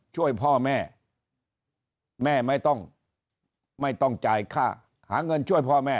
ช่วยพ่อแม่แม่ไม่ต้องไม่ต้องจ่ายค่าหาเงินช่วยพ่อแม่